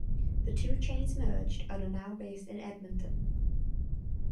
The two chains merged and are now based in Edmonton.